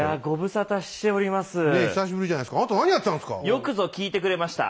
よくぞ聞いてくれました。